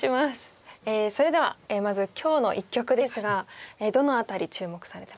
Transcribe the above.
それではまず今日の一局ですがどの辺り注目されてますか？